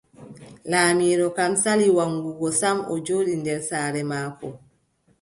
Laamiiɗo kam sali waggugo sam, o jooɗi nder saare maako.